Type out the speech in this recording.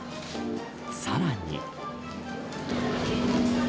さらに。